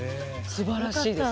すばらしいです。